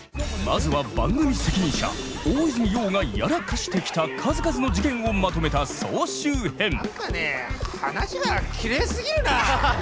まずは番組責任者大泉洋がやらかしてきた数々の事件をまとめた総集編